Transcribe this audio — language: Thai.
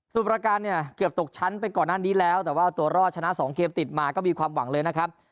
ส่วนประการเนี่ยเกือบตกชั้นไปก่อนหน้านี้แล้วแต่ว่าตัวรอดชนะ๒เกมติดมาก็มีความหวังเลยนะครับ